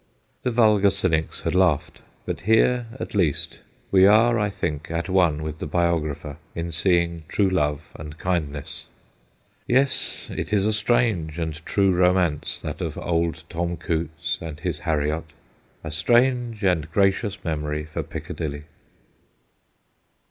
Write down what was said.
The vulgar cynics had laughed, but here at least we are, I think, at one with the biographer in seeing true love and kindness. Yes, it is a strange and true romance, that of old Tom Coutts and his Harriot, a strange and gracious memory for Piccadilly.